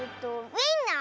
ウインナー。